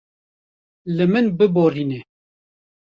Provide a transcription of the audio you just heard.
Li min biborîne.